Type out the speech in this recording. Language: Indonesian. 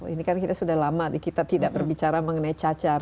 ini kan kita sudah lama kita tidak berbicara mengenai cacar